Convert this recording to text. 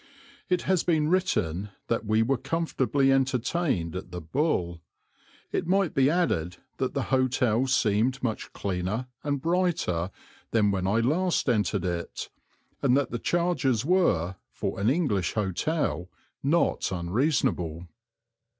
It has been written that we were comfortably entertained at the "Bull"; it might be added that the hotel seemed much cleaner and brighter than when I had last entered it, and that the charges were, for an English hotel, not unreasonable.